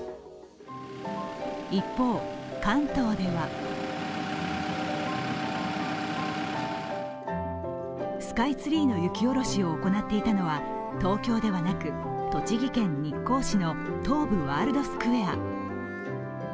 一方、関東ではスカイツリーの雪下ろしを行っていたのは東京ではなく栃木県日光市の東武ワールドスクウェア。